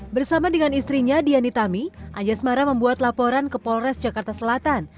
bersama dengan istrinya dianitami anjasmara membuat laporan ke polres jakarta selatan